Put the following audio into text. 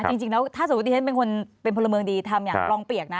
เอินย์จริงแล้วถ้าสมมุติแพ้เป็นคนที่ปรมเมืองดิทำอย่างร่องเปียกนะ